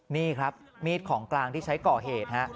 นี่ครับมีดของกลางที่ใช้ก่อเหตุฮะ